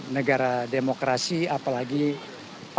saya tidak paham